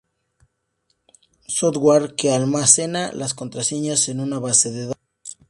software que almacena las contraseñas en una base de datos